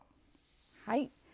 はい。